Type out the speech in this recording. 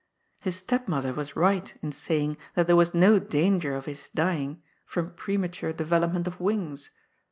His stepmother was right in saying that there was no danger of his dying from premature development of wings.